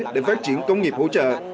để phát triển công nghiệp hỗ trợ